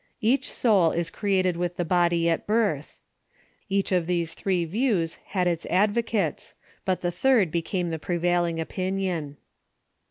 Each soul is created with the body at birth. Each of these views had its advocates. But the third became the prevailing opinion.